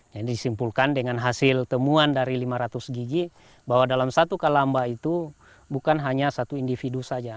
yang disimpulkan dengan hasil temuan dari lima ratus gigi bahwa dalam satu kalamba itu bukan hanya satu individu saja